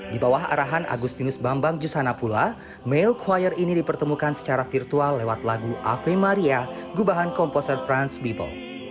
di bawah arahan agustinus bambang jusana pula mail choir ini dipertemukan secara virtual lewat lagu afri maria gubahan komposer franz beo